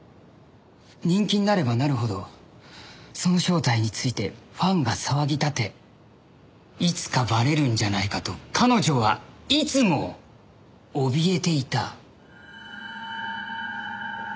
人気になればなるほどその正体についてファンが騒ぎ立ていつかバレるんじゃないかと彼女はいつもおびえていた。